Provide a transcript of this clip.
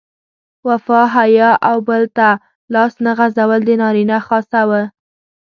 وفا، حیا او بل ته لاس نه غځول د نارینه خاصه وه.